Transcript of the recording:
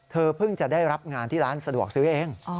เพิ่งจะได้รับงานที่ร้านสะดวกซื้อเอง